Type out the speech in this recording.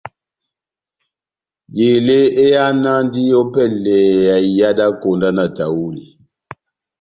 Elé ehánandi ópɛlɛ ya iha dá konda na tahuli.